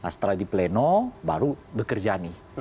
setelah dipleno baru bekerja nih